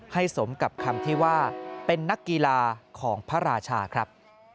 สมกับคำที่ว่าเป็นนักกีฬาของพระราชาครับ